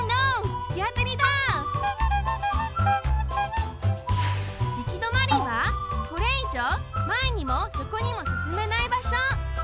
つきあたりだ行き止まりはこれいじょうまえにもよこにもすすめないばしょ。